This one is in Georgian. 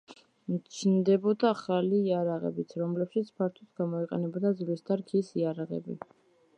ჩნდებოდა ახალი იარაღებიც, რომლებშიც ფართოდ გამოიყენებოდა ძვლის და რქის იარაღები.